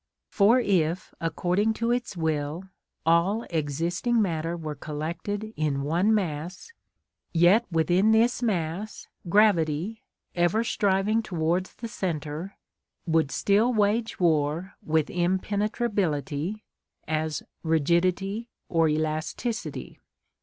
For if, according to its will, all existing matter were collected in one mass, yet within this mass gravity, ever striving towards the centre, would still wage war with impenetrability as rigidity or elasticity.